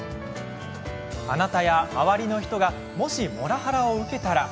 あなたや周りの人がもしモラハラを受けたら？